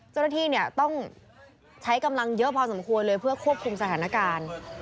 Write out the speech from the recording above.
เจ้าหน้าที่เนี่ยต้องใช้กำลังเยอะพอสมควรเลยเพื่อควบคุมสถานการณ์